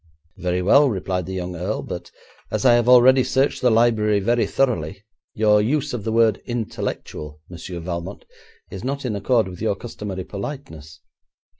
'Very well,' replied the young earl, 'but as I have already searched the library very thoroughly, your use of the word "intellectual", Monsieur Valmont, is not in accord with your customary politeness.